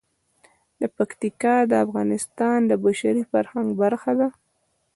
پکتیکا د افغانستان د بشري فرهنګ برخه ده.